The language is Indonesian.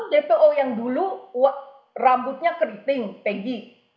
dpo yang dulu rambutnya keriting peggy